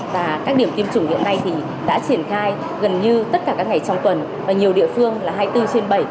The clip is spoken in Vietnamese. và các điểm tiêm chủng hiện nay thì đã triển khai gần như tất cả các ngày trong tuần và nhiều địa phương là hai mươi bốn trên bảy